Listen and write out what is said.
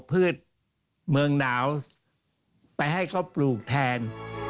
พืชเมืองหนาวไปให้เขาปลูกแทน